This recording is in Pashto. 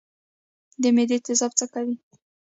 د معدې تیزاب څه کوي؟